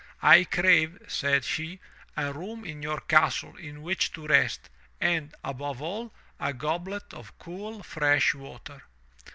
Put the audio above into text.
*T crave," said she, "a room in your castle in which to rest, and, above all, a goblet of cool, fresh water."